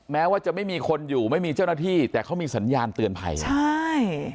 แม้ว่าจะไม่มีคนอยู่ไม่มีเจ้าหน้าที่แต่เขามีสัญญาณเตือนภัยใช่